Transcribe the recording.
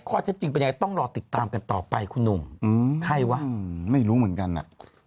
ข้อเท็จจริงเป็นยังไงต้องรอติดตามกันต่อไปคุณหนุ่มใครวะไม่รู้เหมือนกันอ่ะ